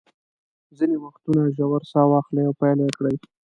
ځینې وختونه ژوره ساه واخلئ او پیل یې کړئ.